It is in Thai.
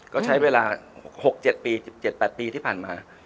ก็ใช้เวลา๖๗ปี๑๗๘ปีที่ผ่านมา